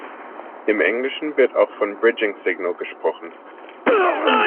Im Englischen wird auch von "bridging signal" gesprochen.